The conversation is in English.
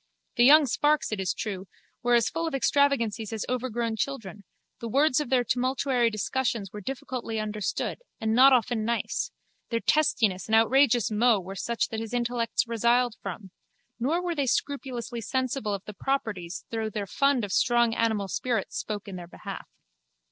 The young sparks, it is true, were as full of extravagancies as overgrown children: the words of their tumultuary discussions were difficultly understood and not often nice: their testiness and outrageous mots were such that his intellects resiled from: nor were they scrupulously sensible of the proprieties though their fund of strong animal spirits spoke in their behalf.